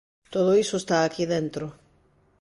Todo iso está aquí dentro.